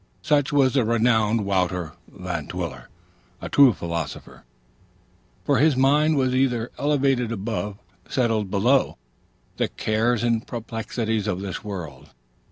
Such was the renowned Wouter Van Twiller, a true philosopher, for his mind was either elevated above, or tranquilly settled below, the cares and perplexities of this world.